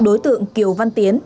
đối tượng kiều văn tiến